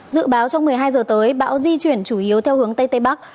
dự báo trong một mươi hai giờ tới bão di chuyển chủ yếu theo hướng tây tây bắc